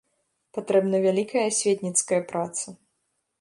Патрэбна вялікая асветніцкая праца.